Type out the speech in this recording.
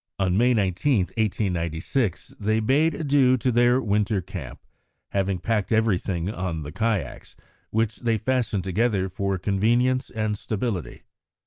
On May 19, 1896, they bade adieu to their winter camp, having packed everything on the kayaks, which they fastened together for convenience and stability.